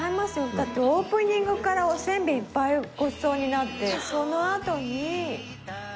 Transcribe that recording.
だってオープニングからおせんべいいっぱいごちそうになってそのあとにお野菜を買って。